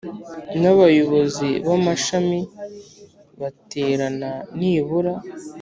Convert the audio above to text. nabayobozi bamashami baterana nibura